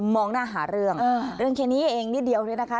มองหน้าหาเรื่องเรื่องแค่นี้เองนิดเดียวเนี่ยนะคะ